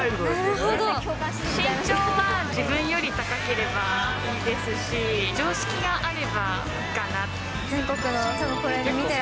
身長は自分より高ければいいですし、常識があればいいかなって。